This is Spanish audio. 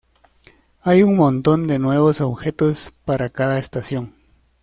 Hay un montón de nuevos objetos para cada estación.